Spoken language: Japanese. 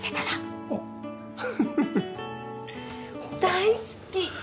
大好き！